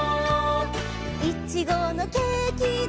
「いちごのケーキだ」